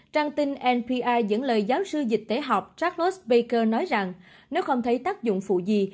trang tin npr dẫn lời giáo sư dịch tế học charles baker nói rằng nếu không thấy tác dụng phụ gì